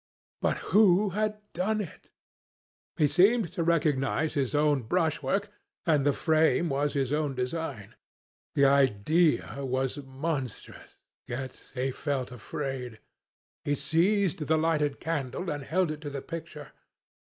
But who had done it? He seemed to recognize his own brushwork, and the frame was his own design. The idea was monstrous, yet he felt afraid. He seized the lighted candle, and held it to the picture.